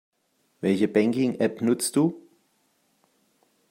Welche Banking-App nutzt du?